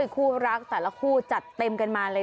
คู่รักแต่ละคู่จัดเต็มกันมาเลย